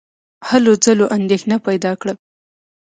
هلو ځلو اندېښنه پیدا کړه.